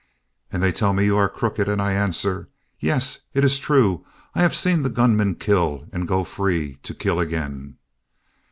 And they tell me you are crooked and I answer: Yes, it is true I have seen the gunman kill and go free to kill again.